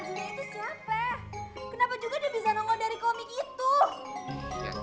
kenapa juga dia bisa nongol dari komik itu